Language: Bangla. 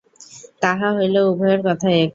তাহা হইলেও উভয়ের কথা এক।